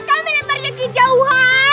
kami lempar ngeki jauhan